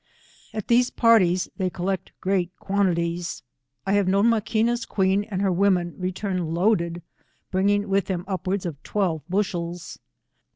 At these parties, they collect great quantities. I have known Maquiua's queen and her women return loaded, bringing with them upwards of twelve bushels.